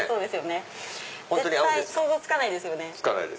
想像つかないですよね。